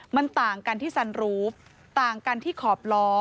มันต่างกันที่ซันรูปต่างกันที่ขอบล้อ